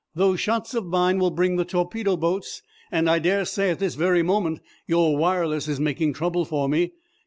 Those shots of mine will bring the torpedo boats, and I dare say at this very moment your wireless is making trouble for me.